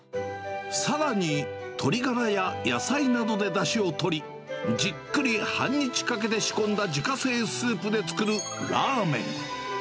さらに、鶏ガラや野菜などでだしをとり、じっくり半日かけて仕込んだ自家製スープで作るラーメン。